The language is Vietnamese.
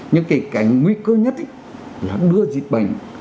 nhưng cái nguy cơ nhất là đưa dịch bệnh